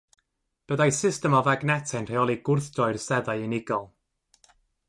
Byddai system o fagnetau'n rheoli gwrthdroi'r seddau unigol.